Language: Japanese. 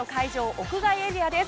屋外エリアです。